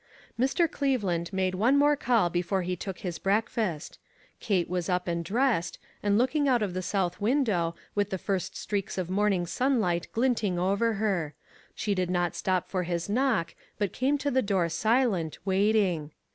Mr. Cleveland made one more call before he took his breakfast. Kate was up and dressed, and looking out of the south win dow, with the first streaks of morning sun light glinting over her. She did not stop for his knock, but came to the door silent, waiting.